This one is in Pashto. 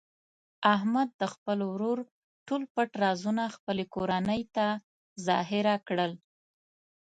احمد د خپل ورور ټول پټ رازونه خپلې کورنۍ ته ظاهره کړل.